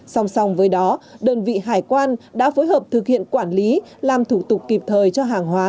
song song với đó đơn vị hải quan đã phối hợp thực hiện quản lý làm thủ tục kịp thời cho hàng hóa